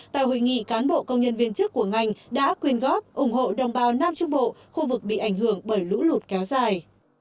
tại hội nghị cán bộ công nhân viên chức của ngành đã quyên góp ủng hộ đồng bào nam trung bộ khu vực bị ảnh hưởng bởi lũ lụt kéo dài